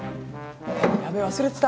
やべえ忘れてた。